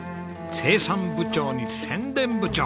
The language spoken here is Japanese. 生産部長に宣伝部長！